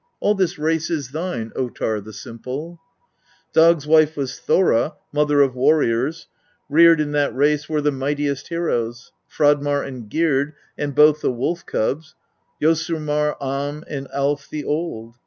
All this race is thine, Ottar the Simple ; 21. Dag's wife was Thora, mother of warriors ; reared in that race were the mightiest heroes, Fradmar and Gyrd, and both the Wolf cubs, Josurmar, Am, and Alf the Old.